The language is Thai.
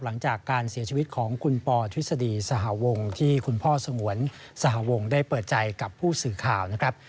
หลังจากการเสียชีวิตของคุณปอทฤษฎีสหวงที่คุณพ่อสงวนสหวงได้เปิดใจกับผู้สื่อข่าวนะครับ